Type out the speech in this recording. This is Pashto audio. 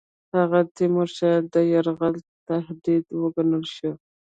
هغه د تیمورشاه د یرغل تهدید وګڼل شو.